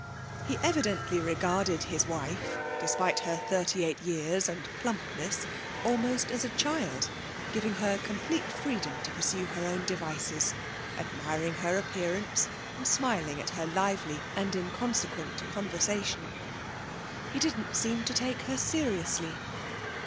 He evidently regarded his wife, despite her thirty eight years and plumpness, almost as a child, giving her complete freedom to pursue her own devices, admiring her appearance, and smiling at her lively and inconsequent conversation; he didn't seem to take her seriously.